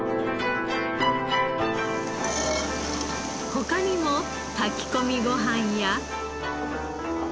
他にも炊き込みご飯や。